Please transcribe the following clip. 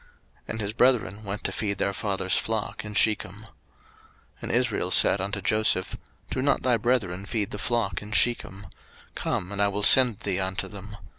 01:037:012 And his brethren went to feed their father's flock in Shechem. 01:037:013 And Israel said unto Joseph, Do not thy brethren feed the flock in Shechem? come, and I will send thee unto them.